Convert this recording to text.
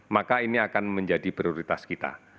maka ini akan menjadi prioritas kita